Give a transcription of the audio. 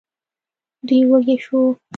دوی وږي شوو.